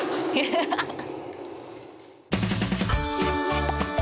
ハハハハ！